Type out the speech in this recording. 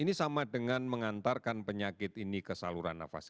ini sama dengan mengantarkan penyakit ini ke saluran nafas